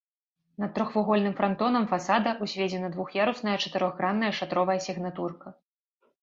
Над трохвугольным франтонам фасада ўзведзена двух'ярусная чатырохгранная шатровая сігнатурка.